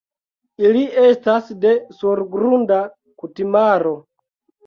Ili estas de surgrunda kutimaro.